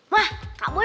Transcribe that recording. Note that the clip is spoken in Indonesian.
mah kak boy